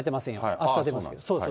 あした出ますけど。